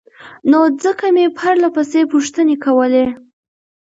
نو ځکه مې پرلهپسې پوښتنې کولې